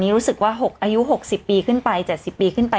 รู้สึกว่าอายุ๖๐ปีขึ้นไป๗๐ปีขึ้นไป